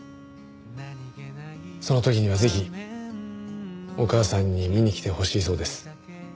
その時にはぜひお母さんに見に来てほしいそうです。